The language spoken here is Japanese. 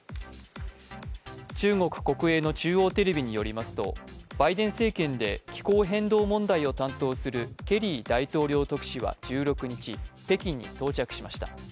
中国国営の中央テレビによりますとバイデン政権で気候変動問題を担当するケリー大統領特使は１６日北京に到着しました。